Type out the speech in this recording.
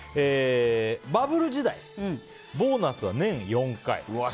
バブル時代、ボーナスは年４回。